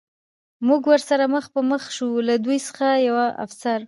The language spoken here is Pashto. موږ ورسره مخ په مخ شو، له دوی څخه یوه افسر.